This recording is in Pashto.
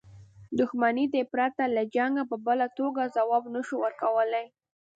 دښمنۍ ته یې پرته له جنګه په بله توګه ځواب نه شو ورکولای.